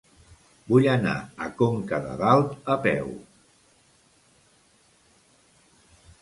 Vull anar a Conca de Dalt a peu.